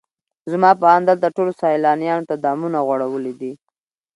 زما په اند دلته ټولو سیلانیانو ته دامونه غوړولي دي.